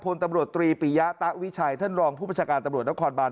พลตำรวจตรีปิยะตะวิชัยท่านรองผู้ประชาการตำรวจนครบาน